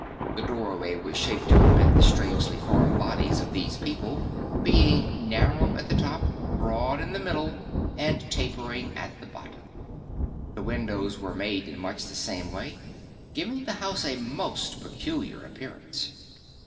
The doorway was shaped to admit the strangely formed bodies of these people, being narrow at the top, broad in the middle and tapering at the bottom. The windows were made in much the same way, giving the house a most peculiar appearance.